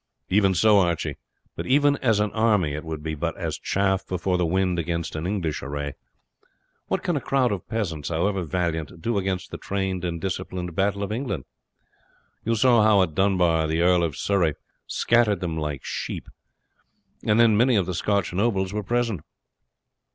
"Even so, Archie; but even as an army it would be but as chaff before the wind against an English array. What can a crowd of peasants, however valiant, do against the trained and disciplined battle of England. You saw how at Dunbar the Earl of Surrey scattered them like sheep, and then many of the Scotch nobles were present.